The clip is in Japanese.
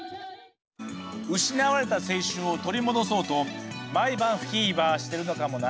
失われた青春を取り戻そうと毎晩フィーバーしてるのかもな。